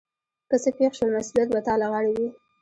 که څه پیښ شول مسؤلیت به تا له غاړې وي.